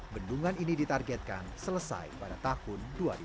bendungan ini ditargetkan selesai pada tahun dua ribu dua puluh